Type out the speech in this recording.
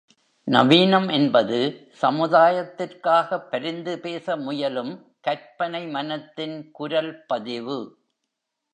நவீனம் என்பது சமுதாயத்திற்காகப் பரிந்து பேச முயலும் கற்பனை மனத்தின் குரல் பதிவு.